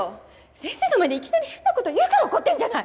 先生の前でいきなり変なこと言うから怒ってんじゃない！